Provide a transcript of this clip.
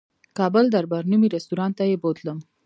کابل دربار نومي رستورانت ته یې بوتلم.